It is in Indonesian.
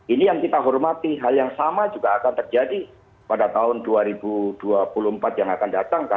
ini yang kita hormati hal yang sama juga akan terjadi pada tahun dua ribu dua puluh empat yang akan datang